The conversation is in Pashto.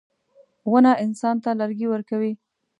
• ونه انسان ته لرګي ورکوي.